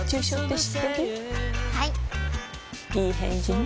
いい返事ね